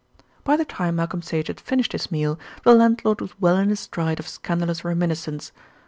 By the time Malcolm Sage had finished his meal, the landlord was well in his stride of scandalous reminiscence.